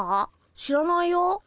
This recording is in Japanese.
知らないよ。